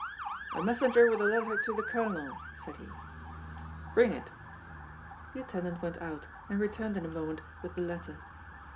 "A messenger with a letter to the Colonel," said he. "Bring it." The attendant went out and returned in a moment with the letter.